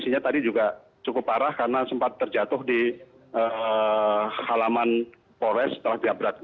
kondisinya tadi juga cukup parah karena sempat terjatuh di halaman polres setelah diabrak